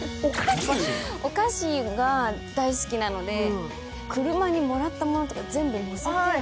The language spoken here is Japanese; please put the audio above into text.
お菓子が大好きなので車にもらった物とか全部載せて。